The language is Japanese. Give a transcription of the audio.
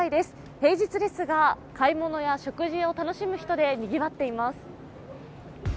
平日ですが、買い物や食事を楽しむ人で賑わっています。